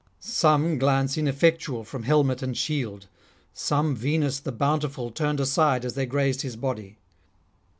Some glance ineffectual from helmet and shield; [331 365]some Venus the bountiful turned aside as they grazed his body.